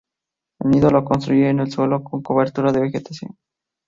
El nido lo construye en el suelo, con cobertura de vegetación.